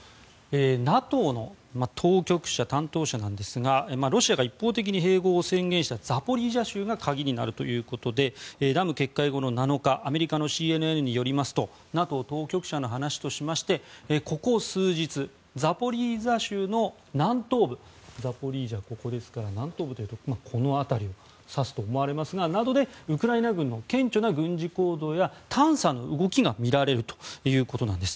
ＮＡＴＯの当局者、担当者なんですがロシアが一方的に併合を宣言したザポリージャ州が鍵になるということでダム決壊後の７日アメリカのＣＮＮによりますとＮＡＴＯ当局者の話としましてここ数日ザポリージャ州の南東部などでウクライナ軍の顕著な軍事行動や探査の動きがみられるということなんです。